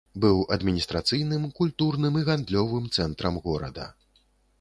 Быў адміністрацыйным, культурным і гандлёвым цэнтрам горада.